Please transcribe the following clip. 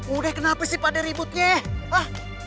udah kenapa sih pada ributnya